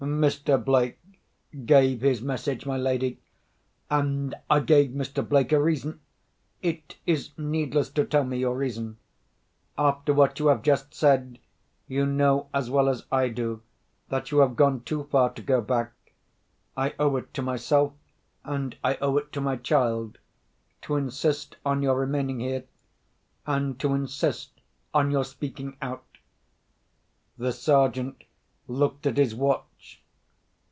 "Mr. Blake gave his message, my lady. And I gave Mr. Blake a reason——" "It is needless to tell me your reason. After what you have just said, you know as well as I do that you have gone too far to go back. I owe it to myself, and I owe it to my child, to insist on your remaining here, and to insist on your speaking out." The Sergeant looked at his watch.